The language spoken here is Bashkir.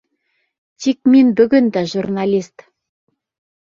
Тик мин бөгөн дә журналист!